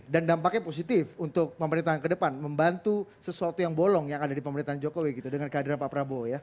dampaknya positif untuk pemerintahan ke depan membantu sesuatu yang bolong yang ada di pemerintahan jokowi gitu dengan kehadiran pak prabowo ya